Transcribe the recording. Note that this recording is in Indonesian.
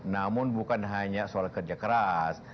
namun bukan hanya soal kerja keras